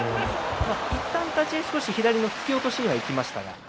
いったん立ち合い突き落としにいきましたね。